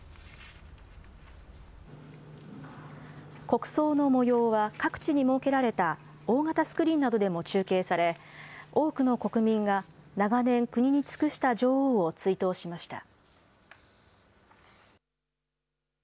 国葬のもようは各地に設けられた大型スクリーンなどでも中継され、多くの国民が長年、国に尽くした女王を追悼しました。